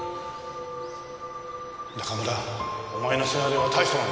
中村お前のせがれは大したもんだ。